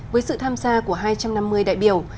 với sự tham gia của hai trăm năm mươi đại biểu